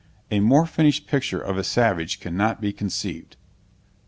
A more finished picture of a savage cannot be conceived.